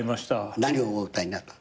何をお歌いになった？